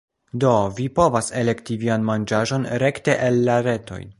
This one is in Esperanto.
Do, vi povas elekti vian manĝaĵon rekte el la retoj